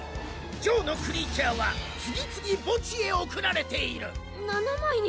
ジョーのクリーチャーは次々墓地へ送られている７枚に！？